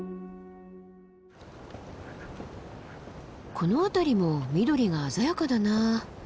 この辺りも緑が鮮やかだな。